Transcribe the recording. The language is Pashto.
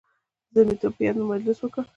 د زلمیتوب په یاد مو مجلس وکړ.